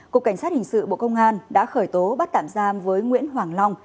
cục cảnh sát hình sự bộ công an đã khởi tố bắt tạm giam với nguyễn hoàng long